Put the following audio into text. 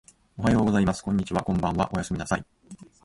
おはようございます。こんにちは。こんばんは。おやすみなさい。